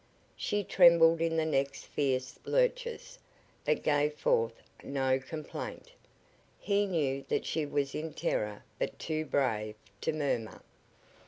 She trembled in the next fierce lurches, but gave forth no complaint. He knew that she was in terror but too brave to murmur.